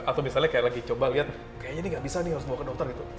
atau misalnya kayak lagi coba lihat kayaknya ini gak bisa nih harus bawa ke dokter gitu